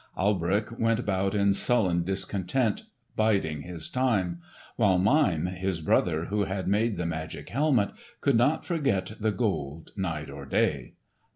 Alberich went about in sullen discontent, biding his time; while Mime, his brother who had made the magic helmet, could not forget the Gold night or day.